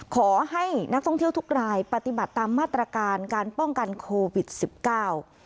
ขอให้นักท่องเที่ยวทุกรายปฏิบัติตามมาตรการการป้องกันโควิดสิบเก้า